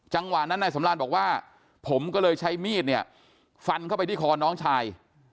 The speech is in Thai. จังหวะนั้นนายสำรานบอกว่าผมก็เลยใช้มีดเนี่ยฟันเข้าไปที่คอน้องชาย